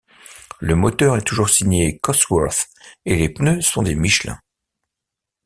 Le moteur est toujours signé Cosworth et les pneus sont des Michelin.